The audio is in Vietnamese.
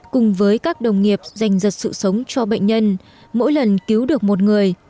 cùng với các đồng nghiệp dành giật sự sống cho bệnh nhân mỗi lần cứu được một người